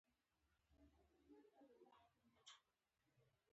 انقلاب دوه کلنۍ لاسته راوړنې په خطر کې لیدې.